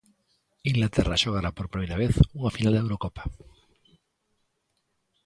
Inglaterra xogará por primeira vez unha final de Eurocopa.